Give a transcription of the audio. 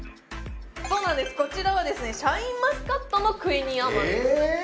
そうなんですこちらはですねシャインマスカットのクイニーアマンです